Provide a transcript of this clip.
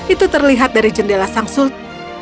itu terlihat dari jendela sang sultan